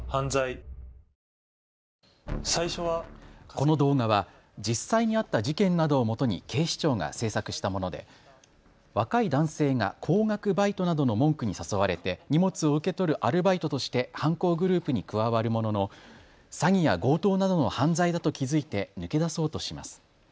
この動画は実際にあった事件などをもとに警視庁が制作したもので若い男性が高額バイトなどの文句に誘われて荷物を受け取るアルバイトとして犯行グループに加わるものの詐欺や強盗などの犯罪だと気付いて抜け出そうとします。